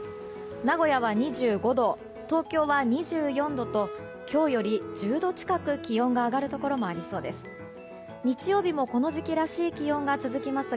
名古屋は２５度東京は２４度と今日より１０度近く気温が上がるところもありそうです。